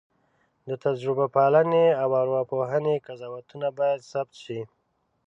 د تجربه پالنې او ارواپوهنې قضاوتونه باید ثبت شي.